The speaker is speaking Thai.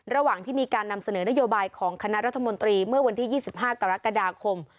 ระหว่างที่มีการนำเสนอนโยบายของคณะรัฐมนตรีเมื่อวันที่๒๕กรกฎาคม